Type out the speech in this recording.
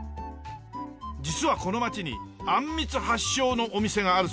実はこの街にあんみつ発祥のお店があるそうなんです。